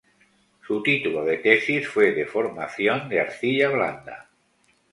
Su título de tesis fue Deformación de arcilla blanda.